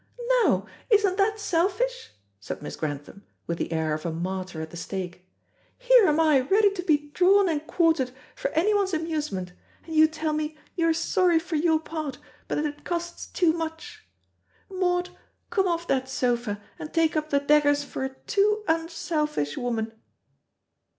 "Now, isn't that selfish?" said Miss Grantham, with the air of a martyr at the stake. "Here am I ready to be drawn and quartered for anyone's amusement, and you tell me you are sorry for your part, but that it costs too much. Maud, come off that sofa, and take up the daggers for a too unselfish woman."